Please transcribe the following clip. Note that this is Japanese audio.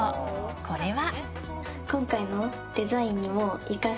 これは？